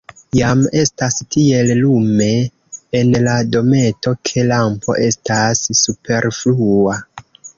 Jam estas tiel lume en la dometo, ke lampo estas superflua.